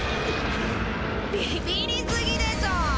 ビビりすぎでしょ。